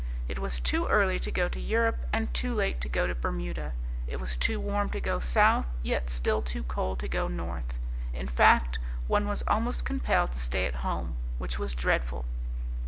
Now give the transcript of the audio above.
It was too early to go to Europe; and too late to go to Bermuda. It was too warm to go south, and yet still too cold to go north. In fact, one was almost compelled to stay at home which was dreadful.